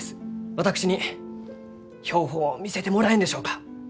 私に標本を見せてもらえんでしょうか？